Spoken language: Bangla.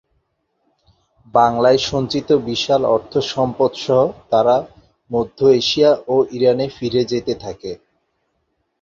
বাংলায় সঞ্চিত বিশাল অর্থসম্পদসহ তারা মধ্য এশিয়া ও ইরানে ফিরে যেতে থাকে।